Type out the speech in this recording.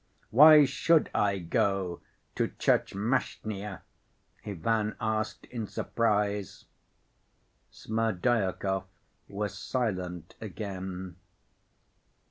"Why should I go to Tchermashnya?" Ivan asked in surprise. Smerdyakov was silent again.